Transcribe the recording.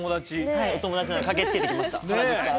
はいお友達なんで駆けつけてきました原宿から。